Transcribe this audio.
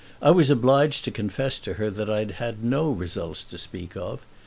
I was obliged to confess to her that I had no results to speak of.